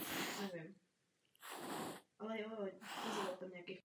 Ve Venezuele zastával různá zaměstnání a využíval co nejvíce času na prohlídku celé země.